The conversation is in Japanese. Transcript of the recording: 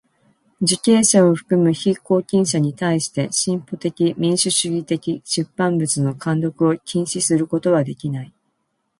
受刑者を含む被拘禁者にたいして進歩的民主主義的出版物の看読を禁止することはできない。